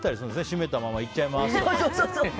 閉めたまま行っちゃいますとか。